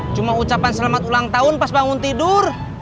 cuma ucapan selamat ulang tahun pas bangun tidur